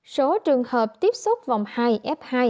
số trường hợp tiếp xúc vòng hai f hai